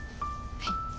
はい。